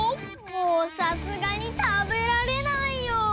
もうさすがにたべられないよ！